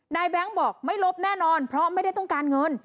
แบงค์บอกไม่ลบแน่นอนเพราะไม่ได้ต้องการเงิน